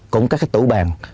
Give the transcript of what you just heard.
cũng các cái tủ bàn